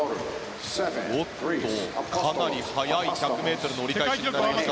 おっと、かなり速い１００ｍの折り返しです。